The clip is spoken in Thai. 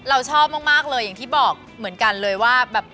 เราชอบมากเลยอย่างที่บอกเหมือนกันเลยว่าแบบ